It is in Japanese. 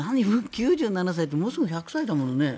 ９７歳ってもうすぐ１００歳だものね。